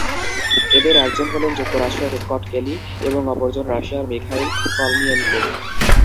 এঁদের একজন হলেন যুক্তরাষ্ট্রের স্কট কেলি এবং অপরজন রাশিয়ার মিখাইল কর্নিএনকো।